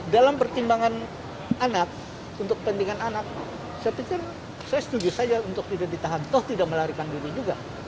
dalam pertimbangan anak untuk kepentingan anak saya pikir saya setuju saja untuk tidak ditahan toh tidak melarikan diri juga